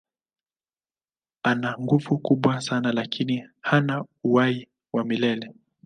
Ana nguvu kubwa sana lakini hana uhai wa milele.